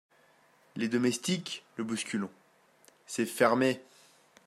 Les Domestiques , le bousculant. — C’est fermé !